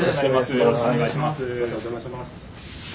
よろしくお願いします。